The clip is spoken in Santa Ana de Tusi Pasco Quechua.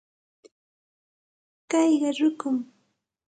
Kayqa rukum.